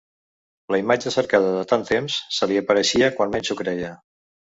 La imatge cercada de tant temps se li apareixia quan menys s'ho creia.